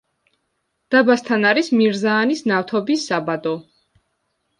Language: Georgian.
დაბასთან არის მირზაანის ნავთობის საბადო.